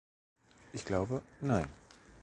Ich glaube, nein.